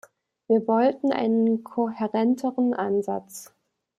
Wir wollten einen kohärenteren Ansatz.